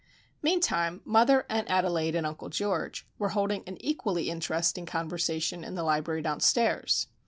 Meantime mother, Aunt Adelaide, and Uncle George were holding an equally interesting conversation in the library downstairs.